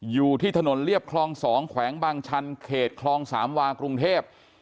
อยู่ที่ถนนเรียบคลอง๒แขวงบางชันเขตคลองสามวากรุงเทพ